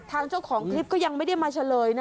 เจ้าของคลิปก็ยังไม่ได้มาเฉลยนะ